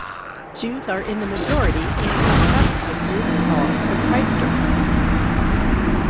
Jews are in the majority and oppress a group called the Christers.